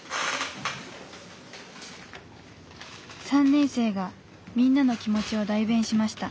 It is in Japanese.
３年生がみんなの気持ちを代弁しました。